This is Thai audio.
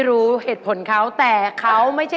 ถูกกว่าถูกกว่า